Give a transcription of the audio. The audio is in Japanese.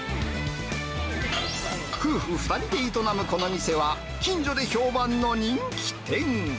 夫婦２人で営むこの店は、近所で評判の人気店。